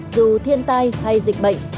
dù thiên tai hay dịch bệnh